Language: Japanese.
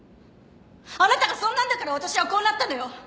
あなたがそんなんだから私はこうなったのよ！